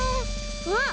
あっ！